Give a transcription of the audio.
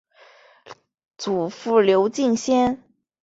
祖父刘敬先。